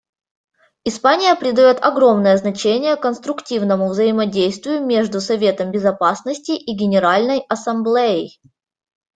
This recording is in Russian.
Испания придает огромное значение конструктивному взаимодействию между Советом Безопасности и Генеральной Ассамблеей.